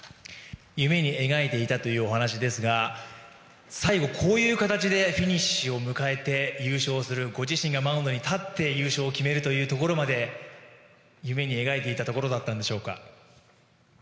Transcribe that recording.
夢に描いていたというお話ですが最後、こういう形でフィニッシュを迎えて優勝する、ご自身がマウンドに立って優勝するところまで夢に描いていたところだったのでしょうか。